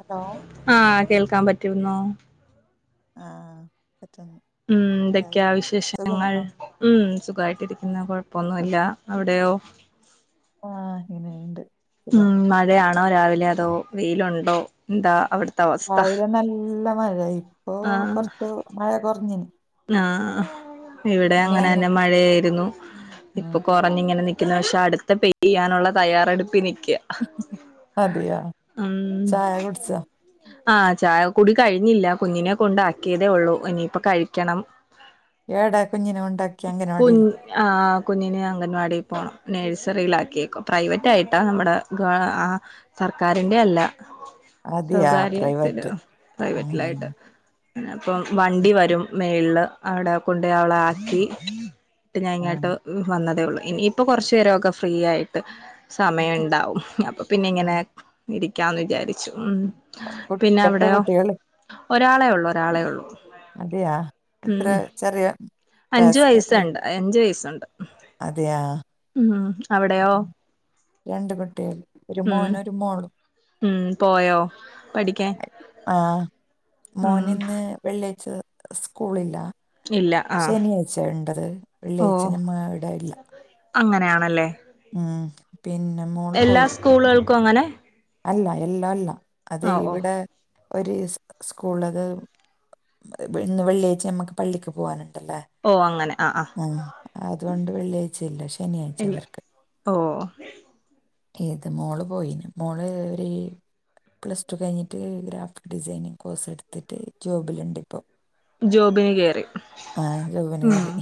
Hello ആഹ് കേൾക്കാമ്പറ്റ്ര്ന്നോ? ആഹ് പറ്റ്ന്ന് ഊം ന്തൊക്ക്യാ വിശേഷങ്ങൾ? ഊം സുകായിട്ടിരിക്കുന്നു. കൊഴപ്പൊന്നുല്ല. അവിടെയോ? ആഹ് ഇങ്ങനെയുണ്ട് സുഖം ഊം മഴയാണോ രാവിലെയതോ വെയിലുണ്ടോ? ന്താ അവിട് രാവിലെ നല്ല മഴയായ് ഇപ്പൊ കൊർച്ച് മഴ കൊർഞ്ഞ്ന് ന്നാഹ് ഇവിടെ അങ്ങനെന്നെ അങ്ങോട്ട് മഴയായിരുന്നു. ഇപ്പൊ ആഹ് കൊർ വന്നിങ്ങനെ നിക്കുന്നു. വ ക്ഷെ അടുത്ത പെയ്യാനുള്ള തയ്യറെടുപ്പിനിക്ക്യ അതിയോ? ചായ കുട്ച്ചോ? ആഹ് ചായ കുടി കഴിഞ്ഞില്ല. കുഞ്ഞിനെ കൊണ്ടാക്കിയതെ ഉള്ളൂ. എനിയിപ്പ കഴി! ക്കണം ഏടാ കുഞ്ഞിനെ കൊണ്ടാക്കിയങ്കനവാടീൽ ആഹ്! കുഞ്ഞിനെ ആഹ് ആഹ് കുഞ്ഞിനെ അംഗൻവാടി പോണം. നേഴ്സറിയിലാക്കിയേക്കു പ്രൈവറ്റായിട്ടാ നമ്മുടെ ഗാ ആ സർക്കാരിന്റെ അല്ല. അതെയാ സ്വകാര്യത്തിലാ പ്രൈവറ്റ് ഉം പ്രൈവറ്റിലായിട്ട് പിന്നപ്പം വണ്ടി വരും മേളില്. അവ്ടെ കൊണ്ട യവളാക്കി ട്ട് ഞാങ്ങേട്ട് ആഹ് വന്നതേ ഉള്ളു. ഇൻഇപ്പൊ കൊർച്ചേരൊക്ക ഫ്രീയായി. ട്ട് സമയണ്ടാവും. അപ്പൊ പിന്നെങ്ങനെ ആഹ് ഇരിക്കാംന്ന് വിചാരിച്ചു. ഉം. കു എത്ര പിന്നവിടെയോ? കുട്ടികള് ഒരാളെ ഉള്ളു ഒരാളെ ഉള്ളു അതെയാ? എത്ര ചെറിയ അഞ്ചു വയസ് എത്ര വയസ്സണ്ട്. അഞ്ചു വയിസ്സൊണ്ട്. അതെയാ ഊം രണ്ട് കുട്ട്യൾ ഒരു ഉം മോനൊരു മോളു ഉം പോയോ പഠിക്കാൻ ആഹ് ഉം മോനിന്ന് വെള്ള്യയ്ച്ച സ്കൂളില്ല. ഇല്ല ആഹ് ശനിയായ്ച്ച ണ്ടത്. വെള്ള്യായ്ച്ച ഞമ്മ അവിടെല്ല. അങ്ങനയാണല്ലെ. ഉം പിന്ന മോള് പോയി. ക്കൂളുകൾക്കു അങ്ങനെ അല്ല എല്ല അല്ല. അത് ഓ ഓ ഇവ്ടെ ഒര് ഇസ് സ്കൂളത് ബ് ന്ന് വെള്ള്യായ്ച്ച ഞമ്മക്ക് പള്ളിക്ക് പോകാന്ണ്ടല്ലേ ഓ അങ്ങനെ ആഹ് ആഹ് ഉം അതൊണ്ട് വെള്ളിയായ്ചയില്ല. ഇല്ല ശനിയായ്ച്ചവര്ക്ക്. ഓ! ഏത്! മോള് പോയി മോള് ഒരു പ്ലസ് ടു കഴിഞ്ഞിട്ട് ഗ്രാഫിക് ഡിസൈനിങ് കോഴ്സ് എടുത്തിട്ട് ജോബിലുണ്ട്. ഇപ്പം. ജോബിന് കേയറി ജോബിന് ഉ കയറി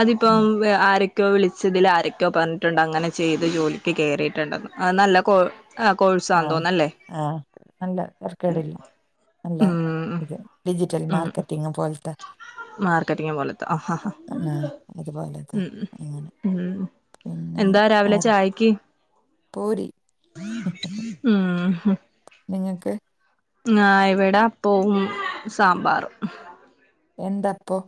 അതിപ്പം ഉം. ആരെ ക്കോ വിളിച്ചതിൽ ആരൊക്കെ പറഞ്ഞിട്ടുണ്ട്. അങ്ങനെ ചെയ്ത് ജോലിക്ക് കേറിയിട്ടുണ്ട്. അ നല്ല ആ കോഴിസ് ആഹ ആഹ് നല്ല തറക്കേടില്ല നല്ല ഉം ഇത്. ഡിജിറ്റൽ മാർക്കറ്റിംഗ് പോലത്തെ. മാർക്കറ്റിംങ്ങ് പോലത്ത ഹാ ഹാ ആ അതുപോലത്തെ ഉ അങ്ങനെ ഉ പിന്നെ എന്താ രാവിലെ ചായക്ക് പുരി നിങ്ങൾക്ക്. ആ് ഇവിടെ അപ്പംവും, സാമ്പാറും. എന്ത് അപ്പോ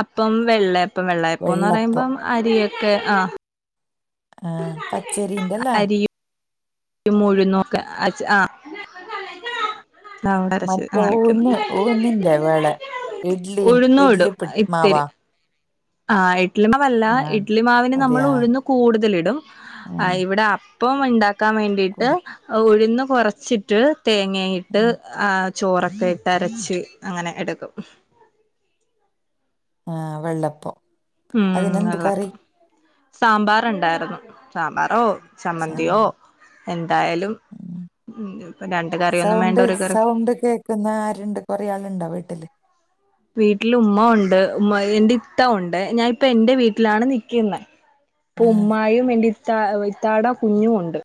അപ്പം വെള്ളയപ്പം വെള്ളയപ്പംന്ന് വെള്ളപ്പം പറയുമ്പം അരിയൊക്കെ ആ ആഹ പച്ചരിന്റെല്ലേ? മൂഴു നുക്ക് അ ആ ഔടരച്ച് മറ്റേ അങ്ങനൊക്കെന്. ഊന്ന് ഊന്നിന്റെ വേളെ ഇഡ്ലി ഇഡ്ലി ഉഴുന്നുടും പി മാവാ ഇത്തിരി. ആ ഇഡ്ലിമാവല്ല ആ ഇഡ്ലിമാവിന് നമ്മൾ അതെയാ ഉഴുന്നു കൂടുതലിടും. ആ ഉം ഇവിടെ അ ഇപ്പം ഉണ്ടാക്കാൻ വേണ്ടിയിട്ട് കൊടു ഉഴന്ന് കുറച്ചിട്ട് തേങ്ങയിട്ട്. ആ ചോറൊക്കെ ഇട്ട് അരച്ച് അങ്ങനെ എടുക്കും. ആ വെള്ളപ്പം. ഉം അതിനെന്ത് കറി വെളളപ്പം സാമ്പാറ് ഇണ്ടായിരുന്നു. സാമ്പാറോ ചമ്മന്തിയോ സാമ്പാർ എന്തായാലും ഉം. രണ്ട് കറിയൊന്നും വേണ്ട ഒരു കറി. പിന്നെ ആരുണ്ട് കൊറെ ആളുണ്ടോ വീട്ടില്. വീട്ടില് ഉമ്മ ഉണ്ട് ഉമ്മ എന്റെ ഇത്ത ഉണ്ട് ഞാൻ ഇപ്പ എന്റെ വീട്ടിലാണ് നിക്കുനേ ഇപ്പൊ ആ ഉമ്മായും എന്റെ ഇത്താ ഇത്താട കുഞ്ഞും ഉണ്ട്.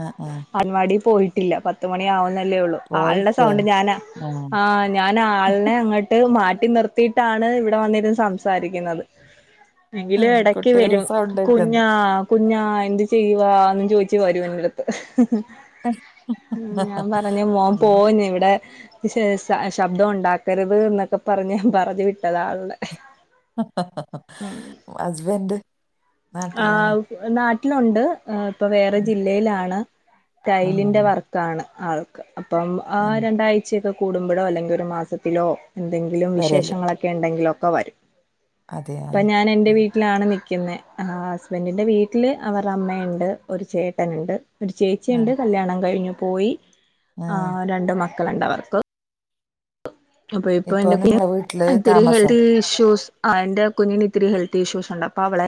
ആഹ് ആഹ് അൻവാടി പോയിട്ടില്ല പത്തുമണിയാ വുന്നല്ലേ ഉള്ളൂ. ആളുടെ പോയിട്ട് സൗണ്ട് ഞാനാ ആ ഞാൻ ആളിനെ അങ്ങട്ട് മാറ്റി നിർത്തിയിട്ടാണ് ഇവിടെ ഇരുന്ന് സംസാരിക്കുന്നത്. എങ്കില് ഇടക്ക് കുട്ടികളെ വരും സൗണ്ട് കേൾക്കുന്നു കുഞ്ഞാ കുഞ്ഞാ എന്തു ചെയ്യവാ എന്ന് ചോയിച്ച് വരും എന്റെടുത്ത്. ഉ ഞാൻ പറഞ്ഞ മോൻ ഉം. പോന്നു. ഇവിടെ ശേഷം ശബ്ദം ഉണ്ടാക്കരുത് എന്നൊക്കെ പറഞ്ഞ് ഞാൻ പറഞ്ഞു വിട്ടാത അവളെ ഹ ഹ ഹസ്ബഡ്. ആ് നാട്ടിലുണ്ട് ഇപ്പൊ വേറെ ഉം. ജില്ലയിലാണ്. ആ, ടൈലിന്റെ വർക്ക് ആണ് ആൾക്ക്. അപ്പം ആ ഉം. രണ്ടാഴ്ചയൊക്കെ കൂടുമ്പോഴോ അല്ലെങ്കിൽ ഒരു മാസത്തിലോ? എന്തെങ്കിലും വരല് വിശേഷങ്ങളൊക്കെ ഉണ്ടെങ്കിലും ഒക്കെ വരും. അതെയാ ഇപ്പൊ ഞാൻ എൻറെ ഉം. വീട്ടിൽ വീട്ടിലാണ് നിക്കുന്ന്. ഹസ്ബൻഡിന്റെ വീട്ടില് അവര് അമ്മയുണ്ട് ഒരു ചേട്ടനുണ്ട്. ഒരു ആ, ചേച്ചിയുണ്ട് കല്യാണം കഴിഞ്ഞു പോയി. ആ രണ്ട് മക്കളുണ്ട് അവർക്ക്. അപ്പൊ ഇപ്പൊ എന്റെ കു നിങ്ങളെ വീട്ടില് ഇത്തിരി താമസോ ഹെൽത്ത് ഇഷ്യൂസ് ആ എന്റെ കുഞ്ഞിന് ഇത്തിരി ഹെൽത്തി ഇഷ്യൂസ് ഉണ്ട്. അപ്പൊ അവളെ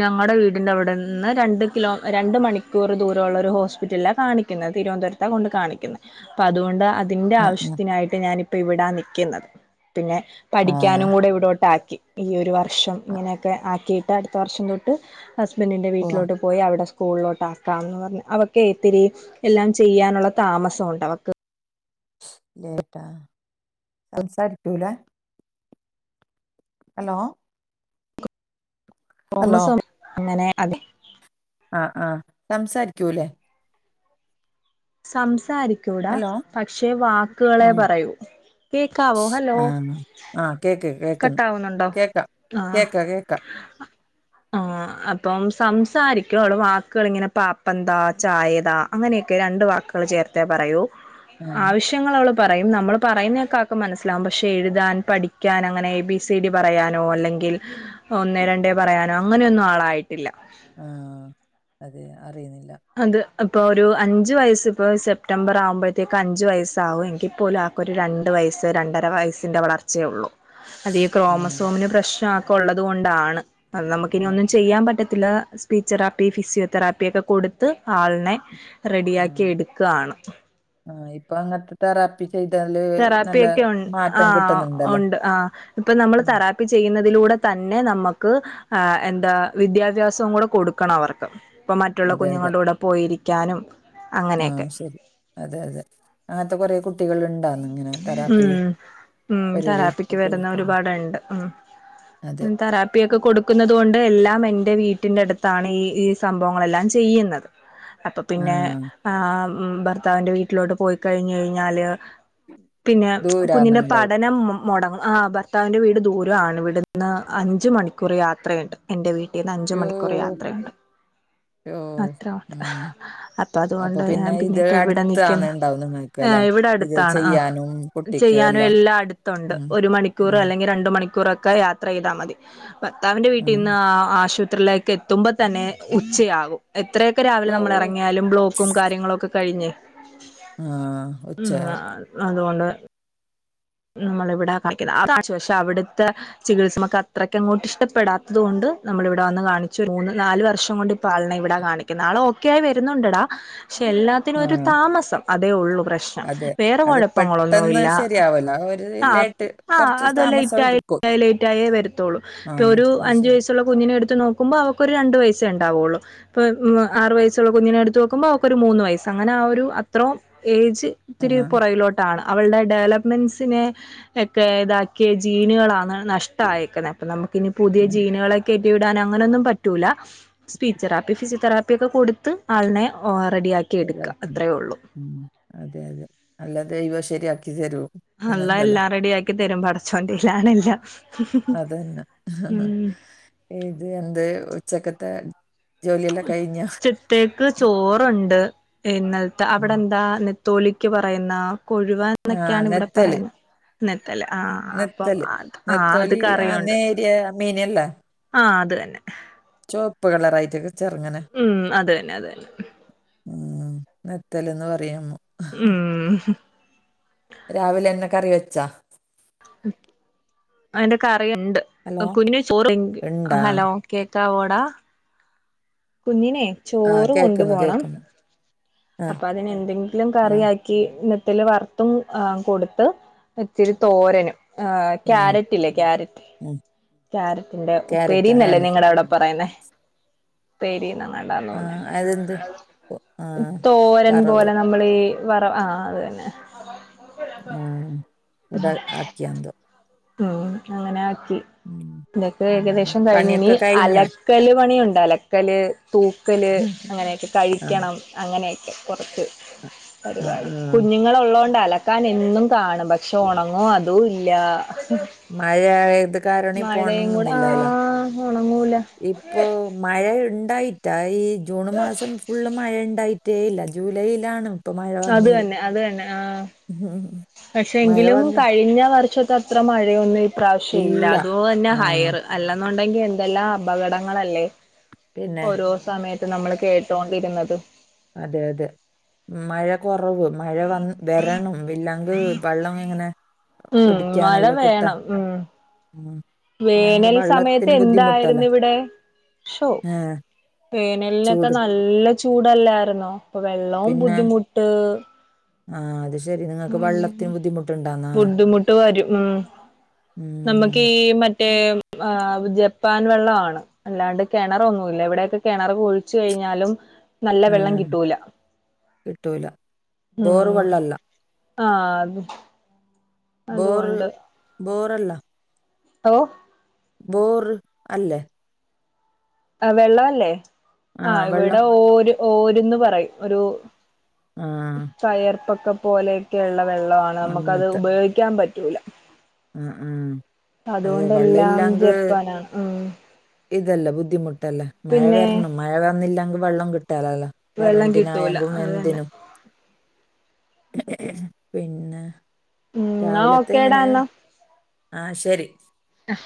ഞങ്ങളടെ വീടിന്റെവിടെന്ന്. രണ്ട് കിലോ രണ്ട് മണിക്കൂർ ദൂരമുള്ള ഒരു ഹോസ്പിറ്റല കാണിക്ക തിരുവനന്തപുറത്ത കൊണ്ട് കാണിക്കുന്നത്. അപ്പൊ അതുകൊണ്ട ഇൻ്റെ ആ, ആ. ആവശ്യത്തിനായിട്ട് ഞാനിപ്പോൾ ഇവിടാ നിൽക്കുന്നത്. പിന്നെ ആ, പഠിക്കാനും കൂടെ ഇവിടോട്ടാക്കി. ഈ ഒരു വർഷം ആ. ഇങ്ങനെയൊക്കെ ആക്കിയിട്ട്. അടുത്ത വർഷം തൊട്ട് ഹസ്ബൻഡിൻ്ന്റെ പോവാ വീട്ടിലോട്ട് പോയി അവിടെ സ്കൂളിലോട്ട് ആക്കാം മന്ന് പറഞ്ഞ്. അവക്ക് ഇത്തിരി എല്ലാം ചെയ്യാനുള്ള താമസമുണ്ട്. അവക്ക് ലേട്ടാ സംസാരിക്കൂലേ? ഹലോ? ഹലോ തോമസം അങ്ങനെ അതെ ആ ആ. സംസാരിക്കൂല്ലേ? സംസാരിക്കൂലാ. ഹലോ പക്ഷെ ആ വാക്കുകളെ പറയൂ. കേക്കാവോ ഹലോ. ആ ആ കേക്ക് കേൾക്ക്ന്ന്. കട്ടാവുന്നുണ്ടോ കേൾക്കാം കേക്ക കേൾക്കാം. ആ അപ്പം സംസാരിക്കും. അവൾ വാക്ക്കൾ ഇങ്ങനെ പാപ്പം താ, ചായ താ. അങ്ങനെയൊക്കെ രണ്ട് വാക്കുകൾ ചേർത്തേ പറയൂ. ആ ആവശ്യങ്ങൾ അവള് പറയും. നമ്മൾ പറയുന്നതേക്കെ അവൾക്ക് മനസ്സിലാവും. പക്ഷെ എഴുതാൻ പഠിക്കാൻ- അങ്ങനെ എ ബി സി ഡി പറയാനോ, അല്ലെങ്കിൽ ഒന്നേ രണ്ടേ പറയാനോ അങ്ങനെയൊന്നും ആളായിട്ടില്ല. ആ. അത് അറിയുന്നില്ല. അത് ഇപ്പോ ഒരു അഞ്ചു വയസ് ഇപ്പോ സെപ്റ്റംബർ ആകുമ്പോഴത്തേക്ക് അഞ്ചു വയസാവും. എങ്കിപ്പോലും- ഒരു രണ്ട് വയസ്സ് രണ്ടര വയസ്സിൻ്റെ വളർച്ചയേ ഉള്ളൂ. അല്ല ഈ ആ ക്രോമസോമിന്റെ പ്രശ്നൊക്കെ ഉള്ളത് കൊണ്ടാണ്. അത് നമുക്കിനി ആ ഒന്നും ചെയ്യാൻ പറ്റത്തില്ല. സ്പീച്ചെറാപ്പി ഫിസിയോതെറാപ്പിയൊക്കെ കൊടു- ത്ത് ആളിനെ റെഡിയാക്കി എടുക്കാണ്. ആഹ ഇപ്പൊ അങ്ങത്തെ- തെറാപ്പി ചെയ്താല് - തെറാപ്പിയൊക്കെ ഉ ആ ഉണ്ട് ആ ഇപ്പൊ നമ്മൾ ഉം തെറാപ്പി- ചെയ്യുന്നതിലൂടെ തന്നെ നമ്മക്ക്- ആ എന്താ വിദ്യാഭ്യാസവും കൂടെ കൊടുക്കണം അവർക്ക്. ഇപ്പം മറ്റുള്ള അതെ അതെ കുഞ്ഞുങ്ങളുടെ കൂടെ പോയിരിക്കാനും- ആ അങ്ങനെയൊക്കെ ശരി. അതെ അതെ, അങ്ങനത്തെ കൊറെ കുട്ടികൾ ഇണ്ട- ഇമ് ഉം. ഓരോരോ തെറാപ്പിക്ക് വരുന്ന കുട്ടികൾക്ക് ഒരുപാടണ്ട്. ഉ. ൻ അതെ തെറാ - പ്പിയൊക്കെ കൊടുക്കുന്നുന്നത് കൊണ്ട് എല്ലാം എൻ്റെ വീട്ടിൻ്റെ അടുത്താണ് ഈ സംഭവങ്ങളെല്ലാം ചെയ്യുന്നത്. അപ്പൊ ആ പിന്നെ ആ ഭർത്താവിന്റെ വീട്ടിലോട്ട് പോയി കഴിഞ്ഞ കഴിഞ്ഞാല്- പിന്നെ കുഞ്ഞിന്റെ ദൂരാന്നുണ്ടാവും പഠനം, മു മുടങ്ങും. ആ ഭർത്താവി്ന്റെ വീട് ദൂരാ ണ്. ഇവിടുന്ന് അഞ്ച് മണിക്കൂർ യാത്രയുണ്ട്. എൻറെ വീട്ടീന്ന് അഞ്ച് യ്യോ മണിക്കൂർ യാത്രയുണ്ട്. യ്യോ അത്രട്ട, ഉം അപ്പ അപ്പൊ അതുകൊണ്ട് ഞാൻ പിന്നെ ഇത് ഇപ്പ ഇവിടെ അടുത്താന്ന് നിക്കുന്നു. ഇണ്ടാവും നിങ്ങൾക്ക് ആ് അല്ലെ ഇവിടെ ഇത് അടുത്താണ്. ആ ചെയ്യാനും കുട്ടിക്ക് ചെയ്യാനും എല്ലാം അടുത്തുണ്ട്. ഉം ഒരു മണിക്കൂർ ഉം അല്ലെങ്കിൽ- രണ്ട് മണിക്കൂറൊക്കെ യാത്ര ഈ യ്താൽ മതി. ഭർത്താവിന്റെ ആ വീട്ടീന്ന് ആശുപത്രിയിലേക്ക് എത്തി- എത്തുമ്പോ തന്നെ ഉച്ചയാകും. എത്രയൊക്കെ രാവിലെ യ്യോ നമ്മൾ ഇറങ്ങിയാലും ബ്ലോക്കും കാര്യങ്ങളുംക്കെ കഴിഞ്ഞ്- ആഹ് ഉച്ചയാകും - [unintelligible] നമ്മളിവിടെ കണികന്നെ പക്ഷെ അവിടുത്തെ ചികിത്സ നമുക്ക് അത്രയ്ക്ക് അങ്ങോട്ട് ഇഷ്ടപ്പെടാത്തത് കൊണ്ട് നമ്മളിവിടെ വന്ന് കാണിച്ചു മൂന്ന് നാല് വർഷം കൊണ്ട്- പ്പാൾനെ ഇവിടാ കാണിക്കുന്നെ ആളും ഒക്കെയായി വരുന്നുണ്ട്ടാ. പക്ഷെ എല്ലാ- ആ ത്തിനൊരു താമസം അതേ ഉള്ളു പ്രശ്നം. അതെ. വേറെ അത് കൊഴപ്പങ്ങളൊന്നു പെട്ടെന്ന് ഇല്ല. [inaudible] ആ ആ് കുറച്ച് അത് താമസം ലൈറ്റ് ആയെ എടുക്കും. ലൈറ്റ് ആയേ വരുത്തുള്ളൂ. ആ ഇപ്പൊ ഒരു അത് അഞ്ചു ശരി. വയസ് കുഞ്ഞിനെടുത്ത് നോക്കുമ്പോൾ അവക്കൊരു രണ്ട് വയസെ ഉണ്ടാവുള്ളു. ഇപ്പ ആറ് വയസ്സുള്ള കുഞ്ഞിനെ എടുത്ത് നോക്കുമ്പോ അവക്കൊരു മൂന്ന് വയസ്സ്. അങ്ങനെ ആ ഒരു അത്രോം ഏയ്ജ്- ആ. ഒത്തിരി പുറകിലോട്ടാണ്. അവളുടെ ഡെവലപ്മെന്റ്സ്- പിന്നെ ഒക്കെ ഇതാക്കിയ ജീനുകളാണ് നഷ് ക്കണ്. അപ്പൊ നമുക്കിനി പുതിയ ഉം. ജീനുകളൊക്കെ കേറ്റി ഇടാൻ അങ്ങനൊന്നും പറ്റൂല. സ്പീച്ച് തെറാപ്പി, ഫിസിയോതെറാപ്പി ഒക്കെ കൊടുത്ത് ആളിനെ റെഡിയാക്കി എട്ക്ക. ശരിയാക്കണം. അത്രയേ ഉള്ളു ഉം. അതെ അതെ. അല്ലാതെ ഇവ ശരിയാക്കി തരോ? അള്ള എല്ലാം റെഡിയാക്കി തരും. പടച്ചോന്റെയ്യിലാണെല്ലാം. അതന്നെ. ഇത് എന്ത് ഉച്ചക്കത്തെ ജോലിയെല്ലാം കഴിഞ്ഞ ത്തേക്ക് ചോറുണ്ട് ഇന്നലത്തെ അവിടെ ഉം. എന്താ? തോലിക്ക് പറയുന്ന കൊഴുവ ആ എന്നൊക്കെയാണ് ഇവിടെ നെത്തല്. പറയുന്നെ ന്നത്തല്ല്ആ അപ്പം നെത്തല്. അ ആഹ് അത് നെത്തോലി ആ കറിയുണ്ട്. നേരിയ മീനല്ല. ആഹ് അത് തന്നെ. ചോപ്പ് കളറായിട്ട്. ഉം അത് തന്നെ അത് തന്നെ. ഉം നെത്തലന്ന് പറയും ഹ ഉം രാവിലെ എന്നാ കറി വെച്ചാ? അയിന്റെക്കറിയുണ്ട്. ഹലോ. [unintelligible] ഇണ്ടാ ഹലോ. കേക്കാവോടാ കുഞ്ഞിനേ. ആ ചോറ് കൊണ്ട് കേൾക്കുന്നു പോണം കേൾക്കുന്നു ആ അതിന് എന്തെങ്കിലും ആ കറി നത്തിൽ വറുത്തും കൊടുത്ത് ഇച്ചിരി തോരനും. ആഹ് ആ ക്യാരറ്റില്ലേ ക്യാരറ്റ് ആ ക്യാരറ്റിന്റെ ക്യാരറ്റ് ആ ഉപ്പേരിന്നല്ലേ നിങ്ങളെ അവിടെ പറയുന്നേ? ഉപേരിന്നങ്ങാണ്ടാ ആ തോന്നുന്നു അതെന്ത് ഓ, ആ തോരൻ വറവ് പോലെ നമ്മ നമ്മള വറ വ് ആ അത് തന്നെ. ആഹ അതാ ആക്കിയെന്തോ? ഉ അങ്ങനെ ആാക്കി. ഉം ഇന്നത്തെ ഉം ഏകദേശം കഴിഞ്ഞിനി പണിയൊക്കെ കഴിഞ്ഞോ അലക്കല് പണിയുണ്ട് അലക്കല് തൂക്കല്. അങ്ങനെയൊക്കെ ആ കഴിക്കണം അങ്ങനെയൊക്കെ കുറച്ച് ആ ആ പരിപാടി കുഞ്ഞ്. ങ്ങള ഉള്ളതോണ്ട് അലക്കാൻ എന്നും കാണും പക്ഷെ ഉണങ്ങോ അതും ഇല്ല. മഴ ആയത് കാരണം ഇ പോ ഒണ മഴയും കൂടെ ആ ങ്ങുന്നില്ലല്ലോ ഒണങ്ങൂല ഈ ഇപ്പോ മഴ ഉണ്ടായിട്ടാ ഈ ജൂൺ മാസം. ഫുള്ള് മഴ ഉണ്ടായിട്ടേ ഇല്ല ജൂലൈയിലാണ്. ഇപ്പൊ മഴ അത് വന്നത് തന്നെ അത് തന്നെ ആ പക്ഷെ മഴ എങ്കിലും വന്നിട്ട് കഴിഞ്ഞ വർഷത്തെ. അത്ര മഴയൊന്നും ഈ പ്രാവശ്യം ഇല്ല അതുപോലെ തന്നെ ആ ഹയർ. അല്ലെന്നുണ്ടെങ്കി എന്തെല്ലാം അപകടങ്ങളല്ലേ പിന്നെ ഓരോ സമയത്ത് നമ്മൾ കേട്ടോണ്ടിരുന്നത്. അതെ അതെ മഴ കുറവ് മഴ വന്ന്. [unintelligible] ഉം മഴ കുടിക്കാനല്ലോ കിട്ടാ വേണം ഉം. ഉം ഇല്ലാങ്ക് വേനൽ സമയത്ത് വെള്ളത്തിന് ബുദ്ധിമുട്ടല്ലേ എന്തായിരുന്നു ഇവിടെ. ശോ ഏഹ് വേനലിനൊക്കെ ചൂട് നല്ല. നല്ല ചൂടല്ലായിരുന്നോ അപ്പൊ വെള്ളവും പിന്നെ ബുദ്ധിമുട്ട്. ആഹ് അത് ശരി നിങ്ങക്ക് വെള്ളത്തിന് ബുദ്ധിമുട്ടുണ്ടാന്നാ ബുദ്ധിമുട്ട് വരും ഉം ഉം നമുക്ക് ഈ മറ്റേ ആ ജപ്പാൻ വെള്ളമാണ്. അല്ലാണ്ട് കിണറൊന്നുല്ല ഇവിടെയൊക്കെ കിണർ കുഴിച്ചു കഴിഞ്ഞാലും. നല്ല വെള്ളം ഏഹ് കിട്ടൂല കിട്ടൂല ബോറ് ഉം വെള്ളല്ല ആഹ അതെ. ബോർ ബോറല്ല. ഓ ബോർ അല്ലേ? ആ വെള്ളമല്ലേ ആഹ ആഹ് വെള്ളം ഇവിടെ ഓര് ഓര്ന്ന് പറയും ഒരു. ആ കയർപ്പൊക്കെ പോലെയൊക്കെയുള്ള വെള്ളമാണ് നമുക്കത് അങ്ങത്തെ ഉപയോഗിക്കാൻ പറ്റൂല. ആഹ് ആഹ് അതെ അതുകൊണ്ടെല്ലാം ജപ്പാനാണ് ഉം ഇതല്ല ബുദ്ധിമുട്ടല്ലേ മഴ പിന്നെ വരണം മഴ വന്നില്ലെങ്കിൽ വെള്ളം കിട്ടാലല്ലോ. വെള്ളം കിട്ടൂല ഇരണ്ടിനായങ്കും അത് തന്നെ വെന്തിനതിനും [unintelligible] പിന്നെ. ഉം എന്നാ രാവിലത്തെ ഓക്കേടാ ഇങ്ങനെ എന്നാ ആഹ് ശരി. ആഹ്.